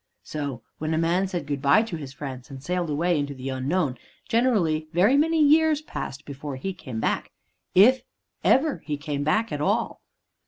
So, when a man said good by to his friends and sailed away into the unknown, generally very many years passed before he came back if ever he came back at all.